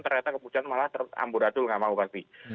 ternyata kemudian malah teramburadul nggak mau pasti